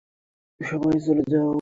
সবাই চলে যাও।